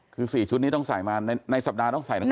คือ๔ชุดนี้ต้องใส่มาในสัปดาห์ต้องใส่ทั้ง